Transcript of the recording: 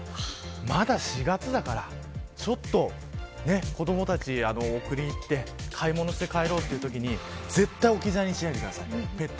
まだ４月だからちょっと子どもたち送りに行って買い物して帰ろうというときに絶対に、置き去りにしないでください。